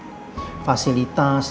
karena kemampuan penyelidikan di sana